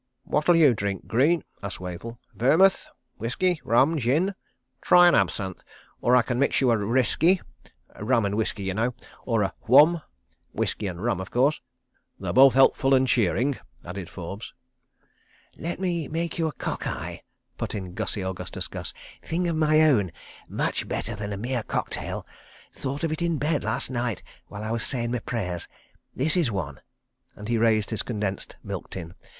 ." "What'll you drink, Greene?" asked Wavell. "Vermuth? Whisky? Rum? Gin? Try an absinthe? Or can I mix you a Risky—rum and whisky, you know—or a Whum—whisky and rum, of course?" "They're both helpful and cheering," added Forbes. "Let me make you a cock eye," put in Gussie Augustus Gus. "Thing of my own. Much better than a mere cocktail. Thought of it in bed last night while I was sayin' my prayers. This is one," and he raised his condensed milk tin.